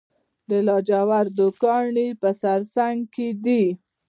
د لاجورد کان په سرسنګ کې دی